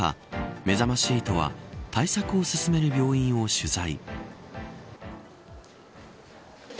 めざまし８は対策を進める病院を取材。